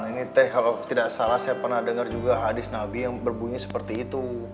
ini tehok tidak salah saya pernah dengar juga hadits nabi yang berbunyi seperti itu